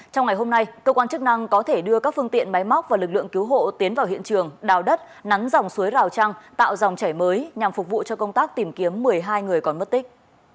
trong ngày hôm nay cơ quan chức năng có thể đưa các phương tiện máy móc và lực lượng cứu hộ tiến vào hiện trường đào đất nắn dòng suối rào trăng tạo dòng chảy mới nhằm phục vụ cho công tác tìm kiếm một mươi hai người còn mất tích